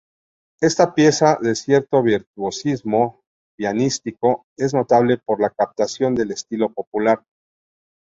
Esta pieza, de cierto virtuosismo pianístico, es notable por la captación del estilo popular.